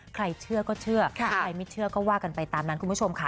ใครเชื่อก็เชื่อใครไม่เชื่อก็ว่ากันไปตามนั้นคุณผู้ชมค่ะ